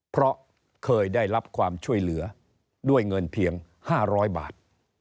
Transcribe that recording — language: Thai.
เพราะเคยได้รับความช่วยเหลือด้วยเงินเพียง๕๐๐บาท